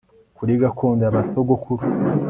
kuri gakondo ya ba sogokuru